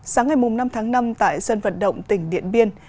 sáng ngày năm tháng năm tại sân vận động tỉnh điện biên